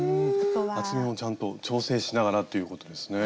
厚みもちゃんと調整しながらということですね。